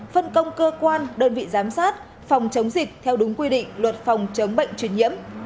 phân công cơ quan đơn vị giám sát phòng chống dịch theo đúng quy định luật phòng chống bệnh truyền nhiễm